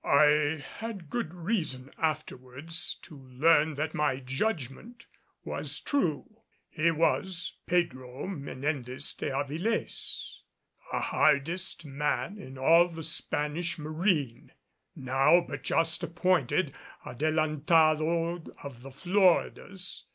I had good reason afterwards to learn that my judgment was true. He was Pedro Menendez de Avilés, the hardest man in all the Spanish marine, now but just appointed Adelantado of the Floridas.